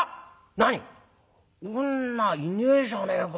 なに女いねえじゃねえか。